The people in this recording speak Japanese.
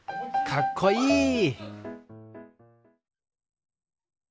かっこいい！